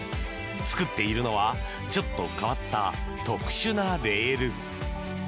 作っているのはちょっと変わった特殊なレール。